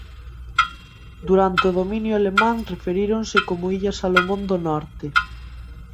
Durante o dominio alemán referíronse como Illas Salomón do Norte.